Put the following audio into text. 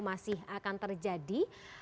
masih akan terjadi